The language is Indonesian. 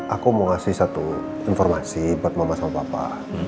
aku mau ngasih satu informasi buat mama sama papa